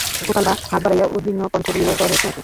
গোপাল বা হাত বাড়াইয়া উদ্বিগ্নকণ্ঠে বলিল, জ্বর হয়েছে নাকি?